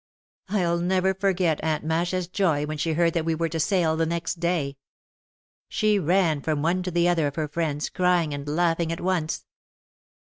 I'll never forget Aunt Masha's joy when she heard that we were to sail the next day. She ran from one to the other of her friends, crying and laughing at once.